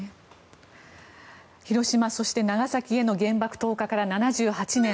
広島、そして長崎への原爆投下から７８年。